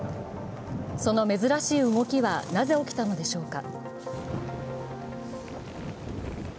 その珍しい動きはなぜ起きたのでしょうか。